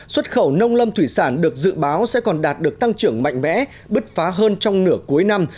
xuất khẩu nông lâm thủy sản được dự báo sẽ còn đạt được tăng trưởng mạnh mẽ bứt phá hơn trong nửa cuối năm